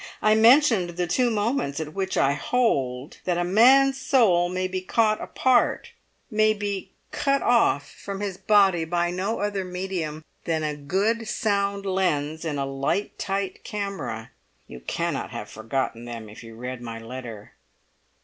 I mentioned the two moments at which I hold that a man's soul may be caught apart, may be cut off from his body by no other medium than a good sound lens in a light tight camera. You cannot have forgotten them if you read my letter."